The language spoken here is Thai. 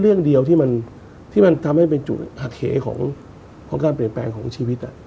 เรื่องเดียวที่มันทำให้เป็นจุดหักเหของการเปลี่ยนแปลงของชีวิต